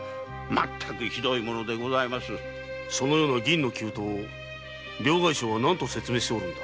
そのような銀の急騰を両替商は何と説明しておるのだ？